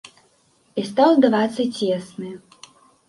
І стаў здавацца цесны.